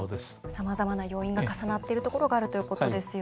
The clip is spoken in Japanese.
さまざまな要因が重なっているところがあると。